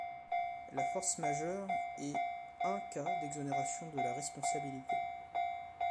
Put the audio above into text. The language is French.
La force majeure est un cas d'exonération de la responsabilité.